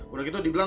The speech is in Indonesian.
udah gitu dibilang